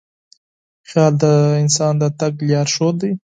خیال د انسان د تګ لارښود دی.